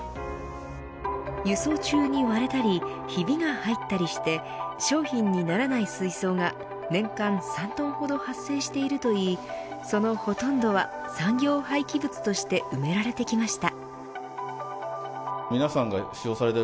輸送中に割れたりヒビが入ったりして商品にならない水槽が年間３トンほど発生しているといいそのほとんどは産業廃棄物として埋められてきました。